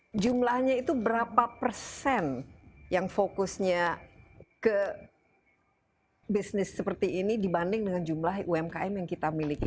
jadi jumlahnya itu berapa persen yang fokusnya ke bisnis seperti ini dibanding dengan jumlah umkm yang kita miliki